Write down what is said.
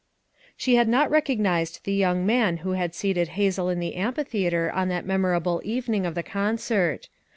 She had not recognized the young man who had seated Hazel in the amphitheater on that memorable evening of the concert.